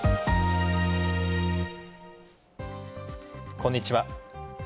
こんにちは。